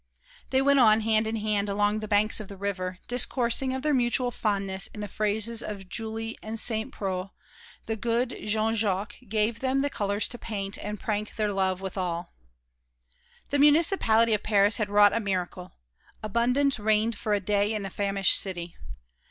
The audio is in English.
They went on hand in hand along the banks of the river, discoursing of their mutual fondness in the phrases of Julie and Saint Preux; the good Jean Jacques gave them the colours to paint and prank their love withal. The Municipality of Paris had wrought a miracle, abundance reigned for a day in the famished city.